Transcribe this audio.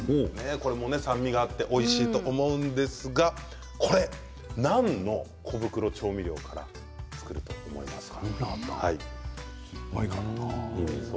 これも酸味があっておいしいと思うんですがこれ、何の小袋調味料から作ってると思いますか？